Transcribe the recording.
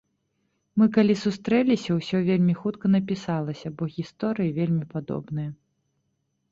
Мы калі сустрэліся, усё вельмі хутка напісалася, бо гісторыі вельмі падобныя.